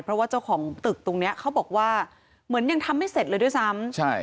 เพราะว่าเจ้าของตึกตรงเนี้ยเขาบอกว่าเหมือนยังทำไม่เสร็จเลยด้วยซ้ำใช่